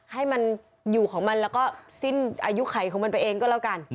ให้มันอยู่ของมันแล้วก็สิ้นอายุไขของมันไปเองก็แล้วกัน